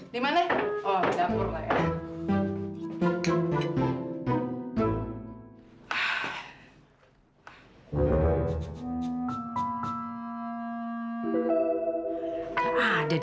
dimana sih itu anak